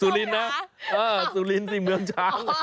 สุรินทร์นะสุรินทร์สิเมืองช้าง